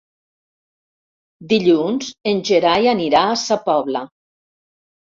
Dilluns en Gerai anirà a Sa Pobla.